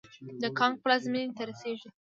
د کانګو پلازمېنې ته رسېږي.